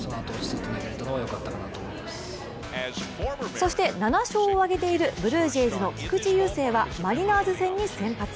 そして７勝を挙げているブルージェイズの菊池雄星はマリナーズ戦に先発。